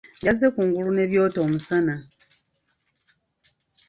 Byazze kungulu ne byota omusana.